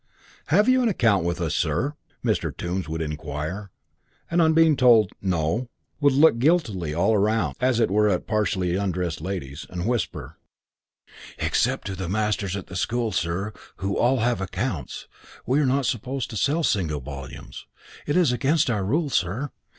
"Have you an account with us, sir?" Mr. Tombs would inquire; and on being told "No" would look guiltily all around (as it were at partially undressed ladies) and whisper, "Except to the masters at the School, sir, who all have accounts, we are not supposed to sell single volumes. It is against our rule, sir."